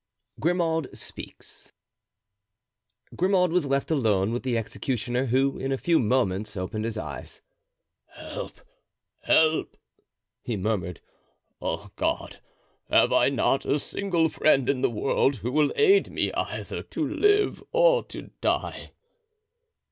Grimaud Speaks. Grimaud was left alone with the executioner, who in a few moments opened his eyes. "Help, help," he murmured; "oh, God! have I not a single friend in the world who will aid me either to live or to die?"